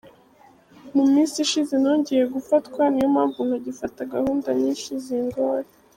Mu minsi ishize nongeye gufatwa, niyo mpamvu ntagifata gahunda nyinshi zingora.